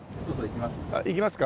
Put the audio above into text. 行きます？